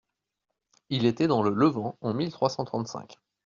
Il était dans le Levant en mille trois cent trente-cinq.